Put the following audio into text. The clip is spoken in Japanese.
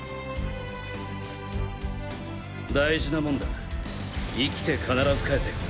大事なもんだ生きて必ず返せよ。